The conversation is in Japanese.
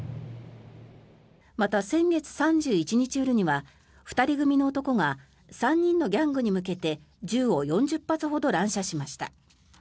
また、先月３１日夜には２人組の男が３人のギャングに向けて銃を４０発ほど乱射しました。